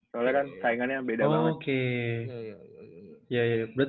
soalnya kan kainannya beda banget